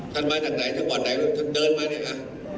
ฉันมาจากไหนถึงหวัดไหนนะรถฉันเดินมาเนี่ยค่ะ